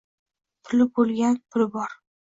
Puli boʻlgan, puli bor